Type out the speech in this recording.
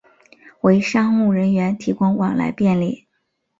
为商务人员往来提供便利